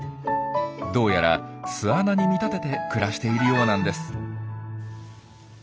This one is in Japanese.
どうやら巣穴に見立てて暮らしているようなんです。